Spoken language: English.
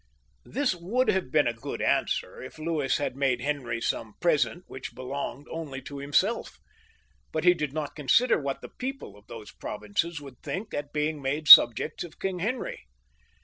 This would have been a good answer if Louis had made Henry some present which belonged only to himself, but he did not consider what the people of these provinces would think at being made subjects of King Henry.